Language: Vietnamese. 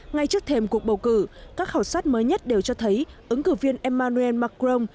ngay trước thềm cuộc bầu cử các khảo sát mới nhất đều cho thấy ứng cử viên emmanuel macron